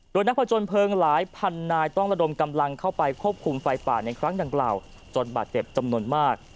โดยนักผจญเพลิงหลายพันนายต้องระดมกำลังเข้าไปควบคุมไฟป่าในครั้งดังกล่าวจนบาดเจ็บจำนวนมาก